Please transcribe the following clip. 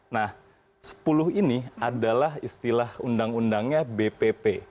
nah sepuluh ini adalah istilah undang undangnya bpp